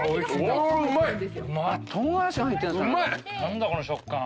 何だこの食感。